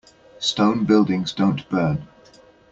Stone buildings don't burn.